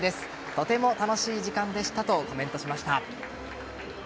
とても楽しい時間でしたとコメントしました。